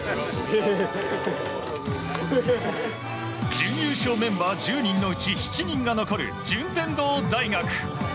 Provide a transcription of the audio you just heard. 準優勝メンバー１０人のうち７人が残る順天堂大学。